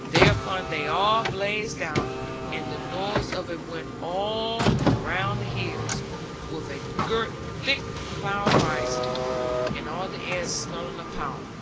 'Thereupon they all blazed out, and the noise of it went all round the hills; with a girt thick cloud arising, and all the air smelling of powder.